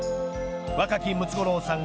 若きムツゴロウさん